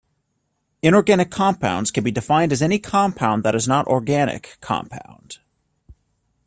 Inorganic compounds can be defined as any compound that is not organic compound.